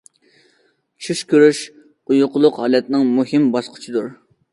چۈش كۆرۈش ئۇيقۇلۇق ھالەتنىڭ مۇھىم باسقۇچىدۇر.